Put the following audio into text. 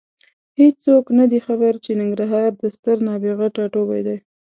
هېڅوک نه دي خبر چې ننګرهار د ستر نابغه ټاټوبی دی.